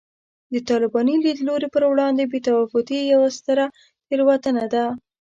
د طالباني لیدلوري پر وړاندې بې تفاوتي یوه ستره تېروتنه ده